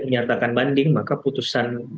menyatakan banding maka putusan